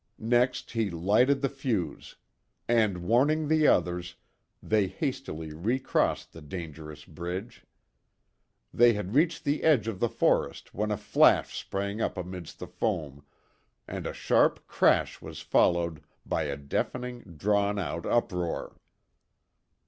Next he lighted the fuse; and, warning the others, they hastily recrossed the dangerous bridge. They had reached the edge of the forest when a flash sprang up amidst the foam and a sharp crash was followed by a deafening, drawn out uproar.